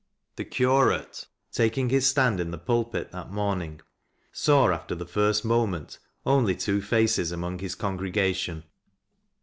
The curate, taking his stand in the pulpit that morning, saw after the first moment only two faces among his con gregation.